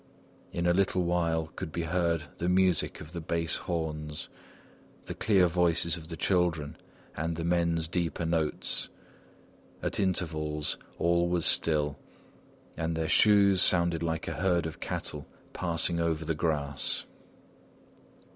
In a little while could be heard the music of the bass horns, the clear voices of the children and the men's deeper notes. At intervals all was still, and their shoes sounded like a herd of cattle passing over the grass.